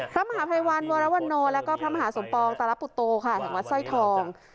พระมหาภัยวันวรวรโนแล้วก็พระมหาสมปองตาลปุตโตค่ะแห่งวัดสร้อยทอง